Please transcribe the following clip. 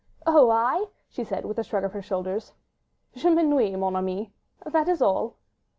"Oh, I?" she said, with a shrug of the shoulders. "Je m'ennuie, mon ami, that is all."